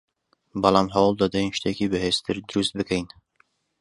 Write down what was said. بەڵام هەوڵدەدەین شتێکی بەهێزتر دروست بکەین